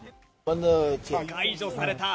解除された。